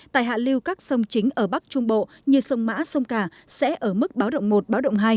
tại hạ lưu các sông chính ở bắc trung bộ như sông mã sông cả sẽ ở mức báo động một báo động hai